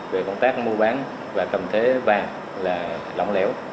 về công tác mua bán và cầm thế vàng là lỏng lẻo